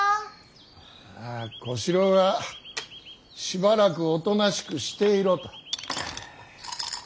ああ小四郎がしばらくおとなしくしていろと。